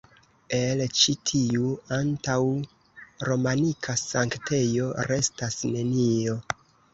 El ĉi tiu antaŭ-romanika sanktejo, restas nenio.